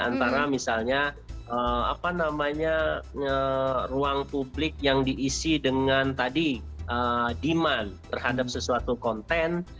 antara misalnya ruang publik yang diisi dengan tadi demand terhadap sesuatu konten